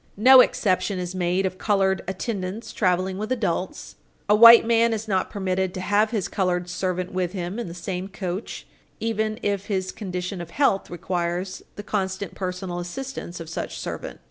No exception is made of colored attendants traveling with adults. A white man is not permitted to have his colored servant with him in the same coach, even if his condition of health requires the constant, personal assistance of such servant.